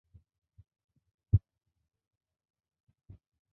পৃথিবীর সব সমুদ্রই এর আওতাভুক্ত।